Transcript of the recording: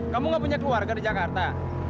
kamu gak punya keluarga di jakarta